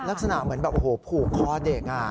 ลักษณะเหมือนแบบโอ้โหผูกคอเด็ก